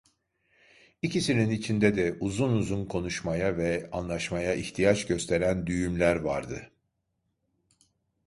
İkisinin içinde de uzun uzun konuşmaya ve anlaşmaya ihtiyaç gösteren düğümler vardı.